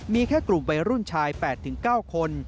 มีแค่กลุ่มวัยรุ่นชาย๘๙คน